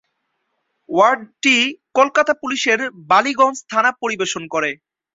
ওয়ার্ডটি কলকাতা পুলিশের বালিগঞ্জ থানা পরিবেশন করে।